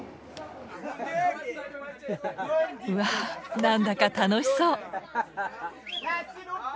うわ何だか楽しそう。